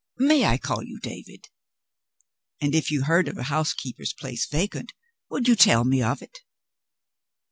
May I call you David? And if you heard of a housekeeper's place vacant, would you tell me of it?"